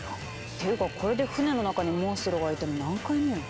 っていうかこれで船の中にモンストロがいたの何回目よ？